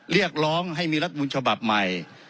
เรียกร้องให้มีรัฐมนุนฉบับใหม่